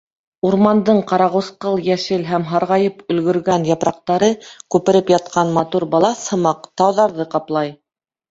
Урмандың ҡарағусҡыл йәшел һәм һарғайып өлгөргән япраҡтары, күпереп ятҡан матур балаҫ һымаҡ, тауҙарҙы ҡаплай.